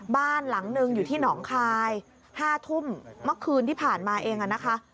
บ้านหลังหนึ่งอยู่ที่หนองคาย๕ทุ่มเมื่อคืนที่ผ่านมาเองนะคะ